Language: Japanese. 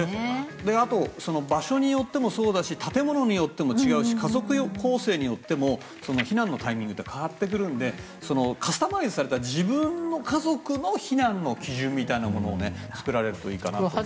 あと、場所によってもそうだし建物によっても違うし家族構成によっても避難のタイミングって変わってくるのでカスタマイズされた自分の家族の避難の基準みたいなものを作られるといいかなと思います。